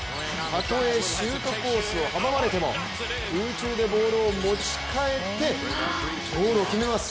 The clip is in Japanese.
たとえシュートコースを阻まれても、空中でボールを持ち替えてゴールを決めます。